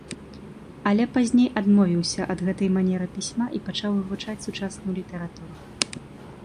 Але пазней адмовіўся ад гэтай манеры пісьма і пачаў вывучаць сучасную літаратуру.